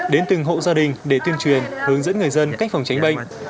đến từng hộ gia đình để tuyên truyền hướng dẫn người dân cách phòng tránh bệnh